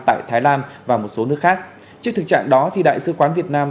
tại thái lan và một số nước khác trước thực trạng đó đại sứ quán việt nam